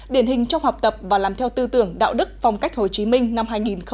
điển hình trong học tập và làm theo tư tưởng đạo đức phong cách hồ chí minh năm hai nghìn một mươi chín